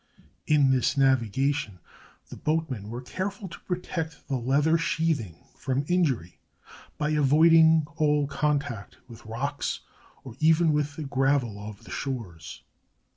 In this nav igation, the boatmen were careful to protect the leather sheathing from injury by avoiding all contact with rocks, or even with the gravel of the shores.